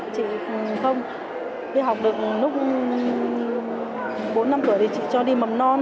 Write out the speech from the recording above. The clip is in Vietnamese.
chị không đi học được lúc bốn năm tuổi thì chị cho đi mầm non